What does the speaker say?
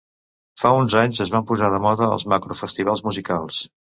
Fa uns anys es van posar de moda els macrofestivals musicals.